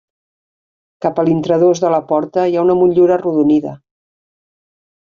Cap a l'intradós de la porta hi ha una motllura arrodonida.